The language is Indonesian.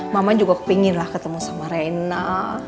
mama juga pengen ketemu sama rena